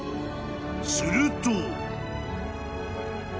［すると］